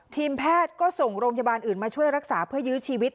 ทีมแพทย์ก็ส่งโรงพยาบาลอื่นมาช่วยรักษาเพื่อยื้อชีวิต